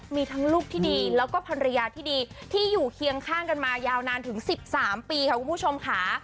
มีทั้งลูกที่ดีแล้วก็ภรรยาที่ดีที่อยู่เคียงข้างกันมายาวนานถึง๑๓ปีค่ะคุณผู้ชมค่ะ